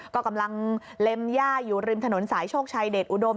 ก็กำลังเล็มย่าอยู่ริมถนนสายโชคชัยเดชอุดม